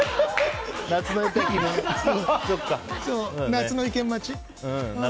夏の意見待ち。